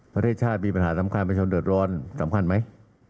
ประเทศชาติมีปัญหาสำคัญประชาชนเดือดร้อนสำคัญไหม